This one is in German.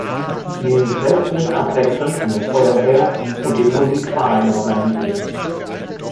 Dieses Fest wird abwechselnd von der Feuerwehr und dem Musikverein organisiert.